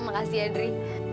makasih ya dri